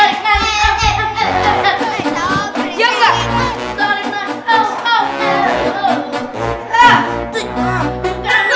itu yang paling cepat